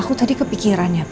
aku tadi kepikiran ya pa